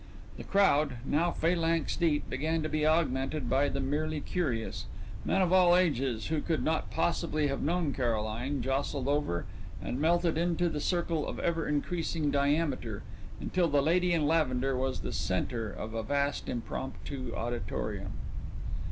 The crowd, now phalanx deep, began to be augmented by the merely curious; men of all ages who could not possibly have known Caroline jostled over and melted into the circle of ever increasing diameter, until the lady in lavender was the centre of a vast impromptu auditorium.